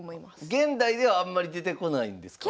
現代ではあんまり出てこないんですか？